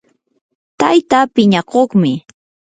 tayta piñakuqmi